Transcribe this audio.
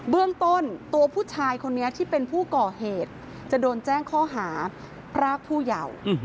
เบื้องต้นตัวผู้ชายคนนี้ที่เป็นผู้ก่อเหตุจะโดนแจ้งข้อหาพรากผู้เยาว์